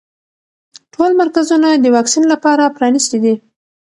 ټول مرکزونه د واکسین لپاره پرانیستي دي.